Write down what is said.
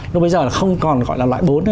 lúc bây giờ là không còn gọi là loại bốn nữa